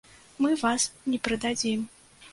Мы вас ні прыдадзім.